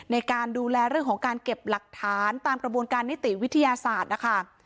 ในการดูแลเรื่องของการเก็บหลักฐานตามกระบวนการนิติวิทยาศาสตร์นะคะ